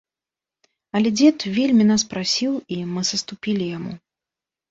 Але дзед вельмі нас прасіў, і мы саступілі яму.